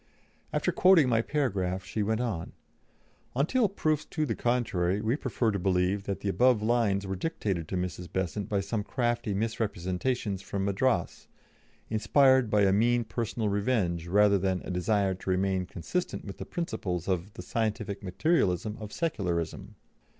After quoting my paragraph she went on: "Until proofs to the contrary, we prefer to believe that the above lines were dictated to Mrs. Besant by some crafty misrepresentations from Madras, inspired by a mean personal revenge rather than a desire to remain consistent with the principles of 'the scientific materialism of Secularism.'